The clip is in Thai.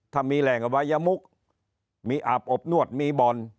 ถ้ามีแหล่งอวัยมุกมีอาบอบนวดมีบ่อน